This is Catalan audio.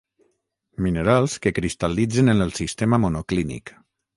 Minerals que cristal·litzen en el sistema monoclínic.